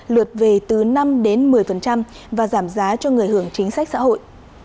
lượt về từ năm đến một mươi và giảm giá cho người hưởng chính sách xã hội